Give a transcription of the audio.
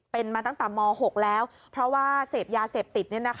เป็นมาตั้งแต่ม๖แล้วเพราะว่าเสพยาเสพติด